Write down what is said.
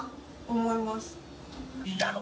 思います。